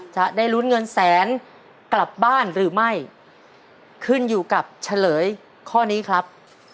จะได้ลุ้นเงินแสนกลับบ้านหรือไม่ขึ้นอยู่กับเฉลยข้อนี้ครับ